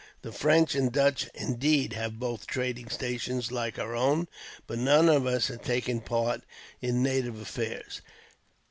The French and Dutch, indeed, have both trading stations like our own, but none of us have taken part in native affairs.